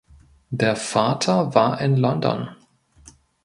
Der Vater war in London.